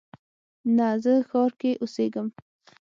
نه، زه ښار کې اوسیږم